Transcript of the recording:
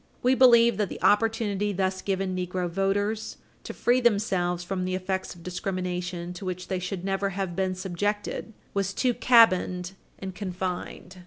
We believe that the opportunity thus given negro voters to free themselves from the effects of discrimination to which they should never have been subjected was too cabined and confined.